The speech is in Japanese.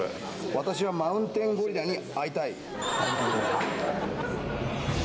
私はマウンテンゴリラに会いたい。